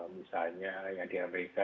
misalnya yang di amerika